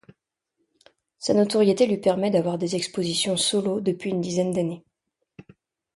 Sa notoriété lui permet d'avoir des expositions solo depuis une dizaine d'années.